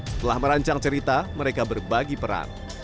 setelah merancang cerita mereka berbagi peran